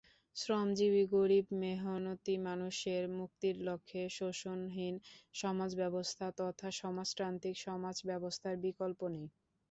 শ্রমজীবী-গরিব-মেহনতি মানুষের মুক্তির লক্ষ্যে শোষণহীন সমাজব্যবস্থা তথা সমাজতান্ত্রিক সমাজব্যবস্থার বিকল্প নেই।